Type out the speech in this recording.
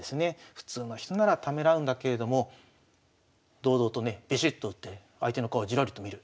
普通の人ならためらうんだけれども堂々とねビシッと打って相手の顔をじろりと見る。